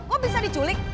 kok bisa diculik